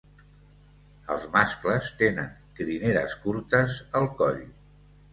Els mascles tenen crineres curtes al coll.